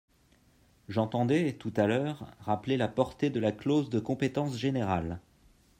J’entendais, tout à l’heure, rappeler la portée de la clause de compétence générale.